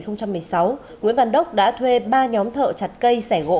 nguyễn văn đốc đã thuê ba nhóm thợ chặt cây sẻ gỗ